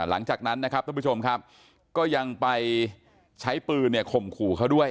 หลังจากนั้นยังไปใช้ปือคมขู่